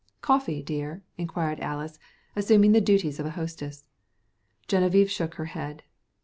"Coffee, dear?" inquired Alys, assuming the duties of hostess. Geneviève shook her head.